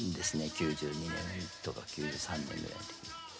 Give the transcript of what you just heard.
９２年とか９３年ぐらいに。